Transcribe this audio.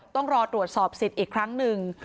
ต้องรอตรวจสอบสิทธิ์อีกครั้งหนึ่ง